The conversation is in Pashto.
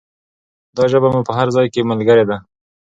دا ژبه مو په هر ځای کې ملګرې ده.